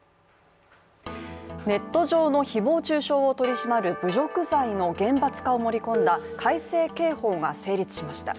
ネット上の誹謗中傷を取り締まる侮辱罪の厳罰化を盛り込んだ改正刑法が成立しました。